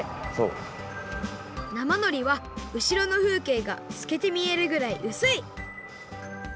なまのりはうしろのふうけいがすけてみえるぐらいうすい！